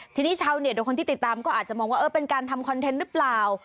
ทีนี้ชาวเน็ตหรือคนที่ติดตามก็อาจจะมองว่าเออเป็นการทำคอนเทนต์หรือเปล่า